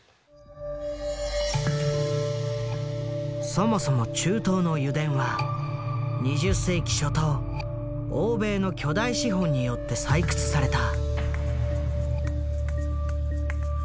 そもそも中東の油田は２０世紀初頭欧米の巨大資本によって採掘された。